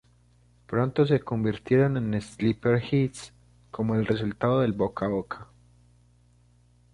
Pronto se convirtieron en sleeper hits como el resultado del boca a boca.